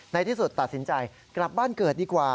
ในที่สุดตัดสินใจกลับบ้านเกิดดีกว่า